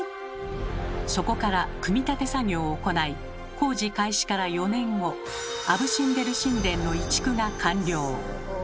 そこから組み立て作業を行い工事開始から４年後アブ・シンベル神殿の移築が完了。